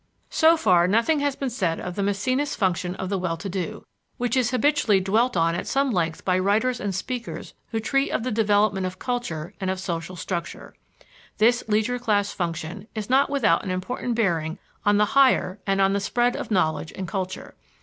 So far, nothing has been said of the Maecenas function of the well to do, which is habitually dwelt on at some length by writers and speakers who treat of the development of culture and of social structure. This leisure class function is not without an important bearing on the higher and on the spread of knowledge and culture.